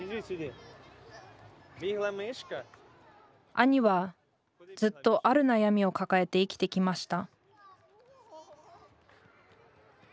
兄はずっとある悩みを抱えて生きてきました